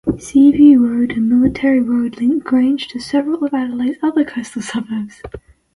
Seaview Road and Military Road link Grange to several of Adelaide's other coastal suburbs.